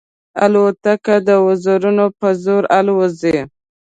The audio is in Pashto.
الوتکه د وزرونو په زور الوزي.